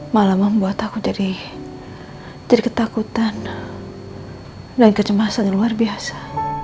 malah membuat aku jadi ketakutan dan kecemasan yang luar biasa